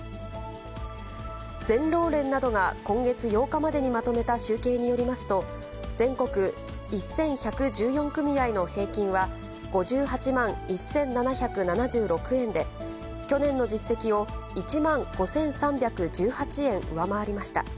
全労連などが今月８日までにまとめた集計によりますと、全国１１１４組合の平均は、５８万１７７６円で、去年の実績を１万５３１８円上回りました。